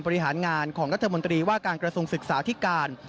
บริหารงานของรัฐมนตรีว่าการกระทรวงศึกษาธิการ